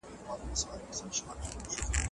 آیا ته د دې سپي اصلي مالیک یې؟